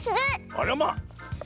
あらま。